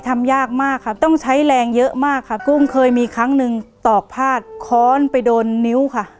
ทำยากมากค่ะต้องใช้แรงเยอะมากค่ะกุ้งเคยมีครั้งหนึ่งตอกพาดค้อนไปโดนนิ้วค่ะ